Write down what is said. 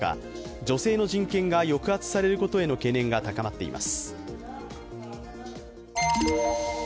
女性の人権が抑圧されることへの懸念が高まっています。